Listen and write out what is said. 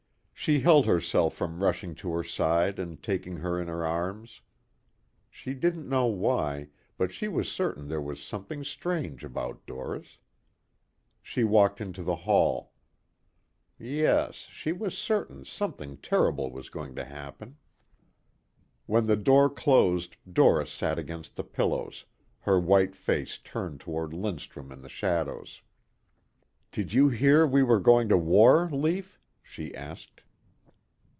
She held herself from rushing to her side and taking her in her arms. She didn't know why, but she was certain there was something strange about Doris. She walked into the hall. Yes, she was certain something terrible was going to happen. When the door closed Doris sat against the pillows, her white face turned toward Lindstrum in the shadows. "Did you hear we were going to war, Lief?" she asked.